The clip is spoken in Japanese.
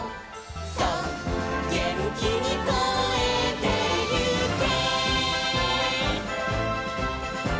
「そうげんきにこえてゆけ」